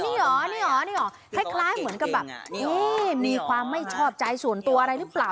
นี่เหรอนี่เหรอนี่เหรอคล้ายเหมือนกับแบบมีความไม่ชอบใจส่วนตัวอะไรหรือเปล่า